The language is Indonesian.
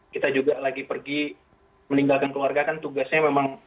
kita juga lagi pergi meninggalkan keluarga kan tugasnya memang